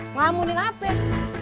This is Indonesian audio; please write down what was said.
ngelamunin apa ya